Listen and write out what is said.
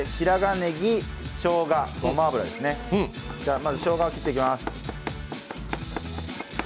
まず、しょうがを切っていきます。